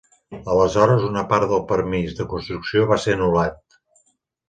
Aleshores una part del permís de construcció va ser anul·lat.